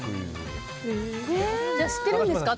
知ってるんですか？